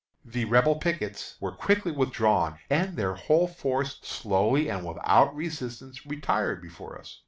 The Rebel pickets were quickly withdrawn, and their whole force slowly and without resistance retired before us.